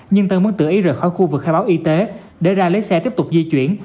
nhưng tân muốn tự ý rời khỏi khu vực khai báo y tế để ra lấy xe tiếp tục di chuyển